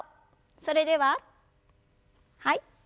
それでははい。